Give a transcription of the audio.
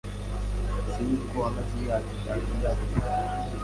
Sinzi uko wamaze imyaka itanu muri ako kazi.